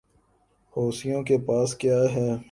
حوثیوں کے پاس کیا ہے؟